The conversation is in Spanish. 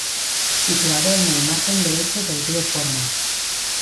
Situado en el margen derecho del río Porma.